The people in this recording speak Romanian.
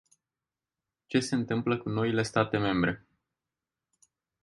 Ce se întâmplă cu noile state membre?